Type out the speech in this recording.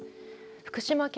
福島県